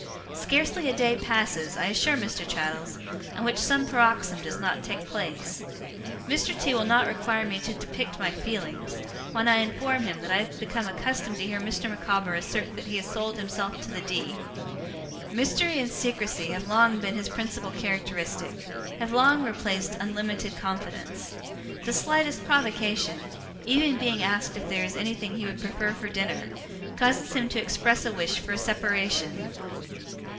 Scarcely a day passes, I assure Mr. Traddles, on which some paroxysm does not take place. Mr. T. will not require me to depict my feelings, when I inform him that I have become accustomed to hear Mr. Micawber assert that he has sold himself to the D. Mystery and secrecy have long been his principal characteristic, have long replaced unlimited confidence. The slightest provocation, even being asked if there is anything he would prefer for dinner, causes him to express a wish for a separation.